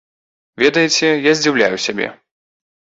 Ведаеце, я здзіўляю сябе.